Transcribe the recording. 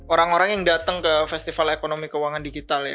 orang orang yang datang ke festival ekonomi keuangan digital ya